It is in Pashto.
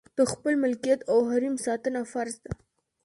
د خپل ملکیت او حریم ساتنه فرض ده.